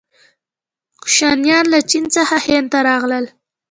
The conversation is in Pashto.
کوشانیان له چین څخه هند ته راغلل.